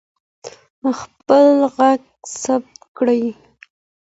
خپل غږ ثبت کړئ.